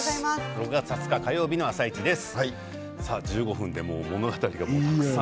６月２０日火曜日の「あさイチ」です。